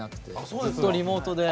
ずっとリモートで。